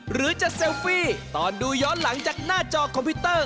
หรือจะเซลฟี่ตอนดูย้อนหลังจากหน้าจอคอมพิวเตอร์